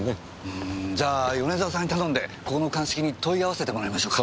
うーんじゃあ米沢さんに頼んでここの鑑識に問い合わせてもらいましょうか。